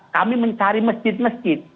kami mencari mesjid mesjid